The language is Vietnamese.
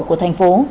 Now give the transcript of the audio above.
của thành phố